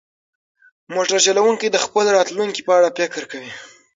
موټر چلونکی د خپل راتلونکي په اړه فکر کوي.